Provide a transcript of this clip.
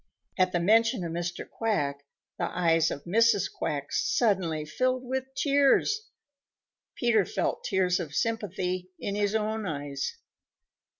At the mention of Mr. Quack, the eyes of Mrs. Quack suddenly filled with tears. Peter felt tears of sympathy in his own eyes.